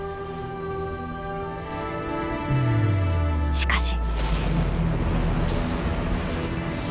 しかし。